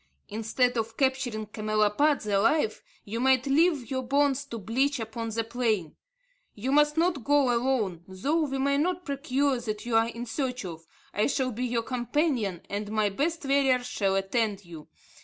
Instead of capturing camelopards alive, you might leave your bones to bleach upon the plain. You must not go alone. Though we may not procure what you are in search of, I shall be your companion, and my best warriors shall attend you.